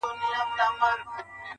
o يو وار نوک ځاى که، بيا سوک٫